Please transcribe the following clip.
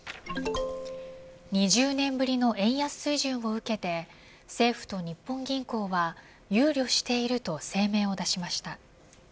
２０年ぶりの円安水準を受けて政府と日本銀行は憂慮していると声明を出しました。